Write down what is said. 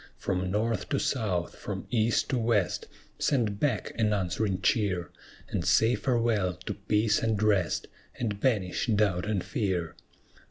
From North to South, from East to West: Send back an answering cheer, And say farewell to peace and rest, And banish doubt and fear.